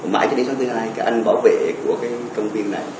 mãi đến sáng thứ hai anh bảo vệ công viên này